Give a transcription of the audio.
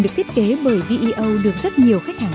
được thiết kế bởi veo được rất nhiều khách hàng